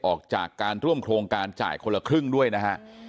ออกจากการร่วมโครงการจ่ายคนละครึ่งด้วยนะฮะ